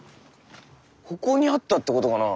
ここにあったってことかなあ。